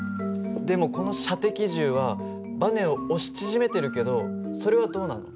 でもこの射的銃はバネを押し縮めてるけどそれはどうなの？